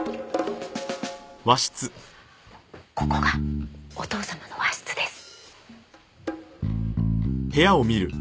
ここがお父様の和室です。